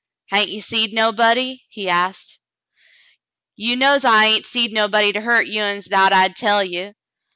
*' Hain't ye seed nobody .^^" he asked. "You knows I hain't seed nobody to hurt you uns *thout I'd tell ye.